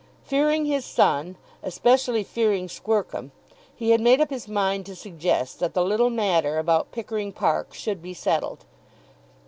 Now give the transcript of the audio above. Fearing his son, especially fearing Squercum, he had made up his mind to suggest that the little matter about Pickering Park should be settled.